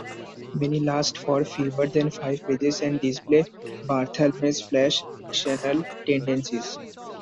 Many last for fewer than five pages, and display Barthelme's flash fictional tendencies.